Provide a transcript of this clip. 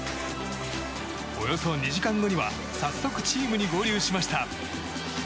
およそ２時間後には早速チームに合流しました。